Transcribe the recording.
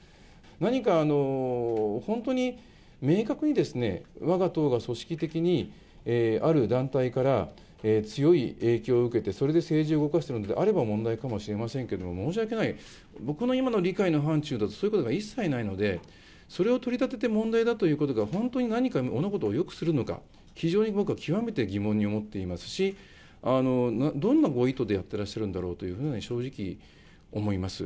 何か本当に明確にですね、わが党が組織的に、ある団体から強い影響を受けて、それで政治を動かしてるんであれば、問題かもしれませんけれども、申し訳ない、僕の今の理解の範ちゅうだと、そういうことが一切ないので、それを取り立てて問題だということが、本当に何か物事をよくするのか、非常に僕は極めて疑問に思っていますし、どんなご意図でやってらっしゃるんだろうと、正直、思います。